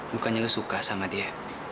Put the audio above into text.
bukannya lu suka sama dia